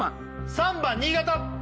３番新潟！